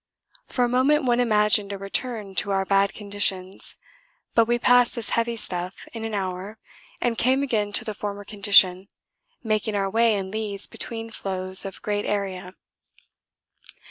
For a moment one imagined a return to our bad conditions, but we passed this heavy stuff in an hour and came again to the former condition, making our way in leads between floes of great area.